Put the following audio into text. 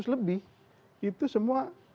tiga ratus lebih itu semua